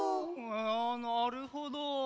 なるほど。